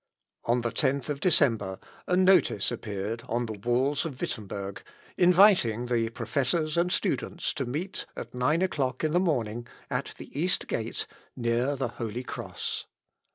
On the 10th December, a notice appeared on the walls of Wittemberg, inviting the professors and students to meet at nine o'clock in the morning, at the east gate, near the holy cross.